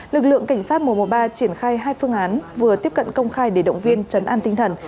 lực lượng cảnh sát một trăm một mươi ba triển khai hai phương án vừa tiếp cận công khai để động viên trấn an tinh thần